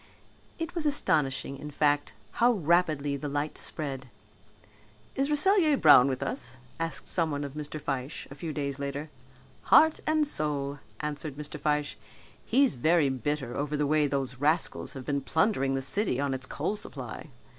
It was astonishing in fact how rapidly the light spread. "Is Rasselyer Brown with us?" asked someone of Mr. Fyshe a few days later. "Heart and soul," answered Mr. Fyshe. "He's very bitter over the way these rascals have been plundering the city on its coal supply.